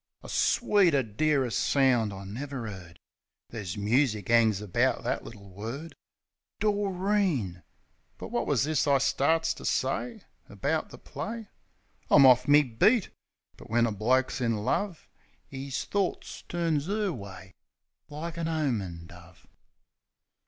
A sweeter, dearer sound I never 'eard; Ther's music 'angs around that little word, Doreen! ... But wot was this I starts to say About the play? I'm off me beat. But when a bloke's in love 'Is thorts turns 'er way, like a 'omin' dove.